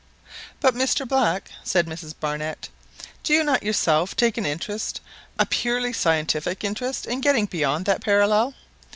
"But, Mr Black," said Mrs Barnett, "do you not yourself take an interest a purely scientific interest, in getting beyond that parallel?"